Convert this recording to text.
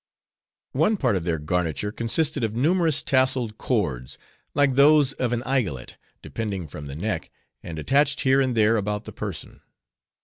One part of their garniture consisted of numerous tasseled cords, like those of an aigulette, depending from the neck, and attached here and there about the person.